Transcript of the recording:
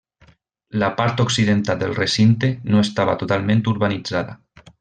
La part occidental del recinte no estava totalment urbanitzada.